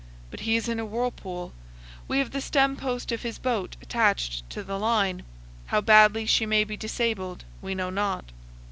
But he is in a whirlpool. We have the stem post of his boat attached to the line. How badly she may be disabled we know not.